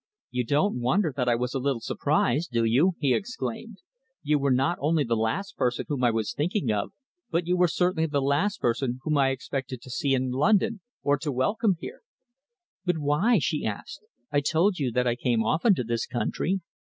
"You don't wonder that I was a little surprised, do you?" he exclaimed. "You were not only the last person whom I was thinking of, but you were certainly the last person whom I expected to see in London or to welcome here." "But why?" she asked. "I told you that I came often to this country."